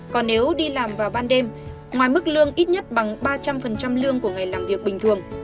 còn nếu đi làm vào ban đêm ngoài mức lương ít nhất bằng ba trăm linh lương của ngày làm việc bình thường